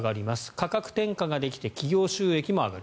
価格転嫁ができて企業収益も上がる。